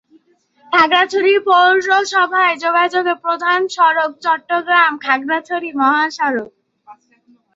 খাগড়াছড়ি পৌরসভায় যোগাযোগের প্রধান সড়ক চট্টগ্রাম-খাগড়াছড়ি মহাসড়ক।